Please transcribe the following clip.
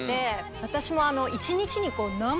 私も。